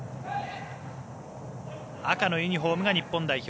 赤のユニホームが日本代表